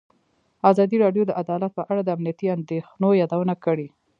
ازادي راډیو د عدالت په اړه د امنیتي اندېښنو یادونه کړې.